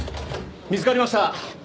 見つかりました！